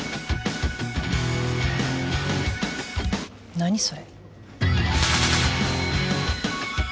何それ？